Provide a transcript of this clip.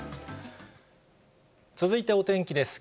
続いてお天気です。